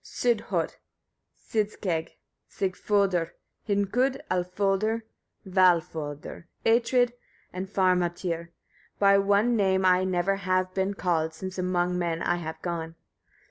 Sîdhött, Sîdskegg Sigfödr, Hnikud, Alfodr, Valfödr, Atrid and Farmatyr; by one name I never have been called, since among men I have gone.